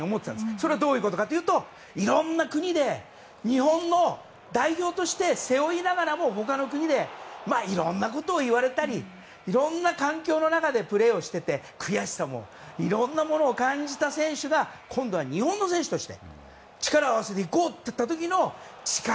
それはどういうことかというといろんな国で日本の代表として背負いながらも他の国でいろんなことを言われたりいろんな環境の中でプレーをしていて悔しさもいろんなものも感じた選手が今度は日本の選手として力を合わせていこうといった時の力。